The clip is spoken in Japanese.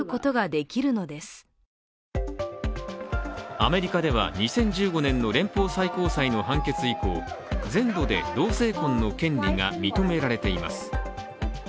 アメリカでは２０１５年の連邦最高裁の判決以降全土で同性婚の権利が認められています。